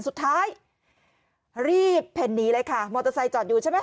สุดท้ายรีบเพ่นหนีเลยค่ะมอเตอร์ไซค์จอดอยู่ใช่ไหม